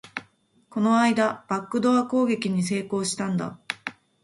この間、バックドア攻撃に成功したんだ